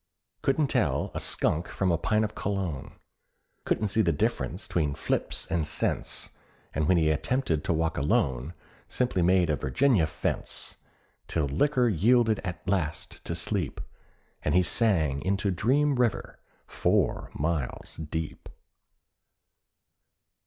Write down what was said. Couldn't tell a skunk from a pint of Cologne, Couldn't see the difference 'tween fips and cents; And when he attempted to walk alone, Simply made a Virginia fence; Till liquor yielded at last to sleep, And he sank into Dream River—four miles deep.